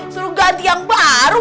suruh ganti yang baru